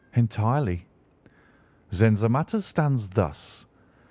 "'Entirely.' "'Then the matter stands thus.